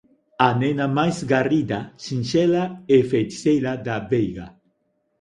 a nena máis garrida, sinxela e feiticeira da veiga